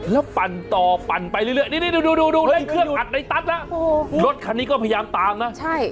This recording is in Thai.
แล้วปั่นต่อปั่นไปเรื่อยนี่ดูดูเร่งเครื่องอัดในตัสแล้วรถคันนี้ก็พยายามตามนะใช่